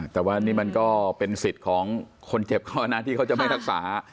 แต่ว่านี่มันก็เป็นสิทธิ์ของคนเจ็บเขานะที่เขาจะไม่รักษา